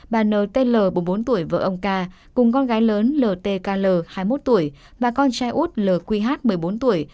bà nt bốn mươi bốn tuổi vợ ông ca cùng con gái lớn ltkl hai mươi một tuổi và con trai út lqh một mươi bốn tuổi